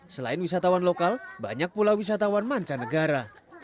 selain wisatawan lokal banyak pula wisatawan mancanegara